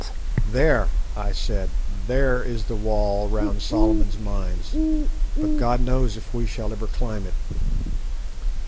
"There," I said, "there is the wall round Solomon's Mines, but God knows if we shall ever climb it."